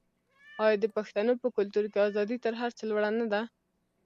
آیا د پښتنو په کلتور کې ازادي تر هر څه لوړه نه ده؟